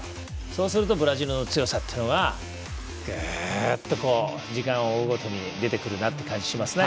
そうするとブラジルの強さというのがぐっと時間を追うごとに出てくるなって感じがしますね。